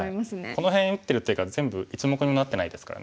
この辺打ってる手が全部１目にもなってないですからね。